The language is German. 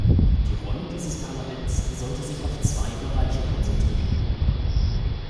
Die Rolle dieses Parlaments sollte sich auf zwei Bereiche konzentrieren.